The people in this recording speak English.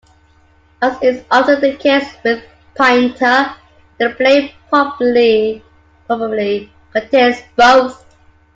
As is often the case with Pinter, the play probably contains both.